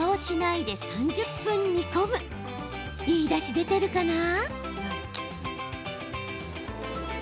いいだし出てるかな？